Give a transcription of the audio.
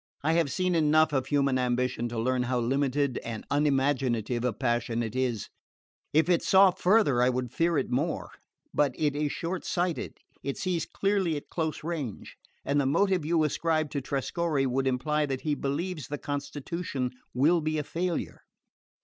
"I have seen enough of human ambition to learn how limited and unimaginative a passion it is. If it saw farther I should fear it more. But if it is short sighted it sees clearly at close range; and the motive you ascribe to Trescorre would imply that he believes the constitution will be a failure."